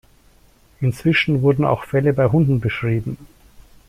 Inzwischen wurden auch Fälle bei Hunden beschrieben.